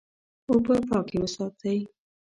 اوبه پاکې وساتئ.